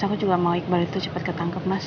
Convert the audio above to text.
aku juga mau iqbal itu cepet ketangkap mas